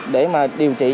để mà điều trị